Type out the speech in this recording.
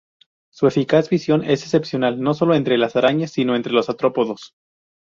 Su eficaz visión es excepcional no solo entre las arañas, sino entre los artrópodos.